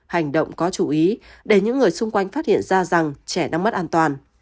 hành động có chú ý để những người xung quanh phát hiện ra rằng trẻ nó mất an toàn